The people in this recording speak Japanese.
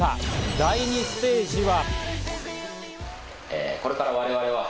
第２ステージは。